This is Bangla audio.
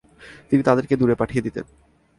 তিনি তাদেরকে দূরে পাঠিয়ে দিতেন।